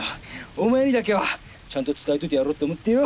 お前にだけはちゃんと伝えておいてやろうと思ってよ。